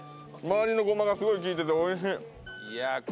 周りのごまがすごいきいてておいしい